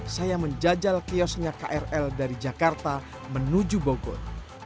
saya menjajal kiosnya krl dari jakarta menuju bogor